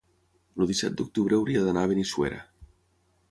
El disset d'octubre hauria d'anar a Benissuera.